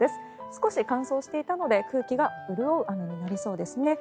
少し乾燥していたので空気が潤う雨になりそうですね。